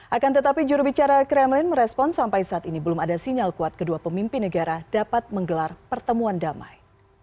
akan tetapi jurubicara kremlin merespon sampai saat ini belum ada sinyal kuat kedua pemimpin negara dapat menggelar pertemuan damai